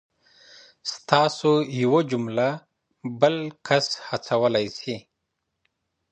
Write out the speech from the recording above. ستاسو یوه جمله بل کس هڅولی سي.